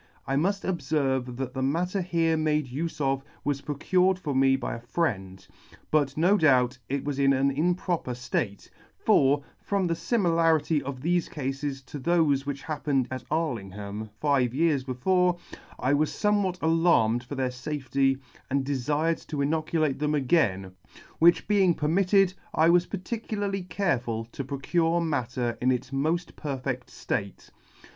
I mult obferve that the matter here made ufe of was procured for me by a friend: but no doubt it was in an improper ftate; for, from the fimilarity of thefe cafes to thofe which happened at Arlingham five years before, I was fomewhat alarmed for their fafety, and defired to inoculate them again ; which being permitted, I was particularly careful [ 8 3 ] careful to procure matter in its moil perfed flate.